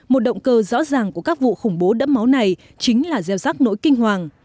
một động cơ rõ ràng của các vụ khủng bố đẫm máu này chính là gieo rắc nỗi kinh hoàng